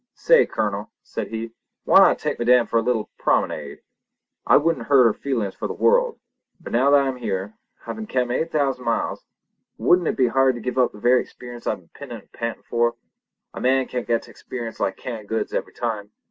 "Say, Colonel," said he, "why not take Madame for a little promenade? I wouldn't hurt her feelin's for the world; but now that I am here, havin' kem eight thousand miles, wouldn't it be too hard to give up the very experience I've been pinin' an' pantin' fur? A man can't get to feel like canned goods every time!